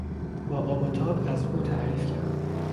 با آب و تاب از او تعریف کرد.